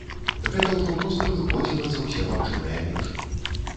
Гэта ўжо проста выходзіла за ўсе магчымыя межы.